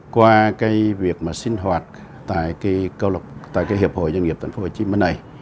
qua cái việc mà sinh hoạt tại cái hiệp hội doanh nghiệp thành phố hồ chí minh này